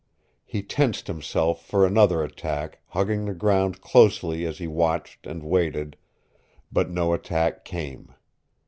He tensed himself for another attack, hugging the ground closely as he watched and waited, but no attack came.